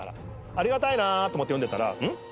ありがたいなと思って読んでたらんっ？